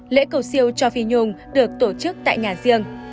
lễ cầu siêu cho phi nhung được tổ chức tại nhà riêng